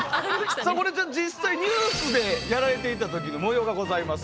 さあこれ実際ニュースでやられていた時の模様がございます。